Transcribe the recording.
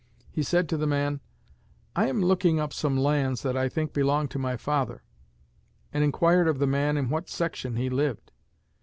He said to the man, 'I am looking up some lands that I think belong to my father,' and inquired of the man in what section he lived.